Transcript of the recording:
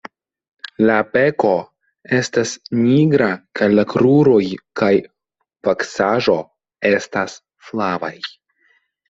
La beko estas nigra kaj la kruroj kaj vaksaĵo estas flavaj.